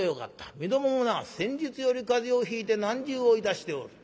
身共もな先日より風邪をひいて難渋をいたしておる。